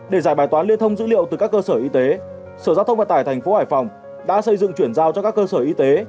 để giải bài toán liên thông dữ liệu từ các cơ sở y tế sở giao thông vận tải tp hải phòng đã xây dựng chuyển giao cho các cơ sở y tế